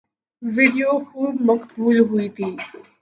video خوب مقبول ہوئی تھی